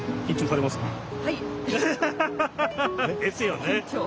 え？ですよね。